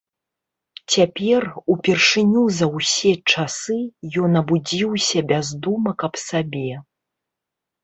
Цяпер, упершыню за ўсе часы, ён абудзіўся без думак аб сабе.